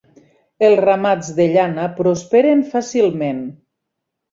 Els ramats de llana prosperen fàcilment.